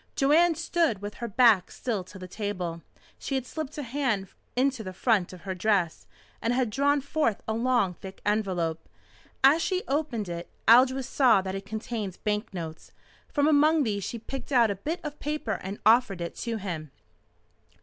Joanne stood with her back still to the table. She had slipped a hand into the front of her dress and had drawn forth a long thick envelope. As she opened it, Aldous saw that it contained banknotes. From among these she picked out a bit of paper and offered it to him.